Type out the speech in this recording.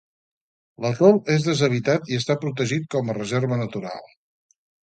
L'atol és deshabitat i està protegit com a reserva natural.